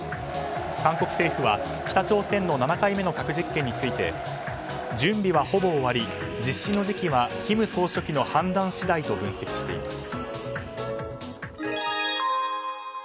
韓国政府は北朝鮮の７回目の核実験について準備はほぼ終わり実施の時期は金総書記の判断次第と分析しています。